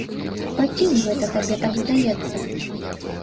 Пакінь, гэта табе так здаецца.